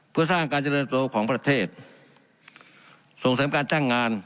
เพื่อสร้างการเจริญตัวของประเทศส่งเสริมการจ้างงาน